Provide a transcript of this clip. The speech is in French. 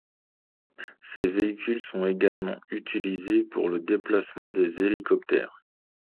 Ces véhicules sont également utilisés pour le déplacement des hélicoptères.